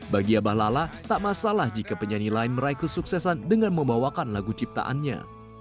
bagi abah lala tak masalah jika penyanyi lain meraih kesuksesan dengan membawakan lagu ciptaannya